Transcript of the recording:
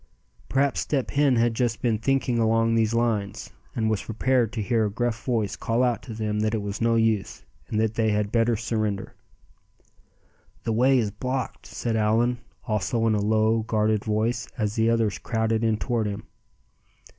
Perhaps Step Hen had just been thinking along these lines, and was prepared to hear a gruff voice call out to them that it was no use, and that they had better surrender. "The way is blocked!" said Allan, also in a low, guarded voice, as the others crowded in toward him.